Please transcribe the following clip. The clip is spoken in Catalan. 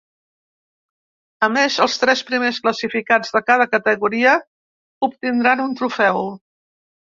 A més, els tres primers classificats de cada categoria obtindran un trofeu.